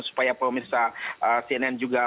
supaya pak omir pak cnn juga